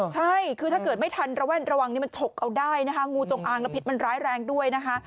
ใช่คือถ้าเกิดไม่ทันระแวดระวังนี่มันฉกเอาได้นะคะงูจงอางและพิษมันร้ายแรงด้วยนะคะ